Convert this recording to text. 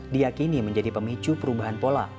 diakini menjadi pemicu perubahan pola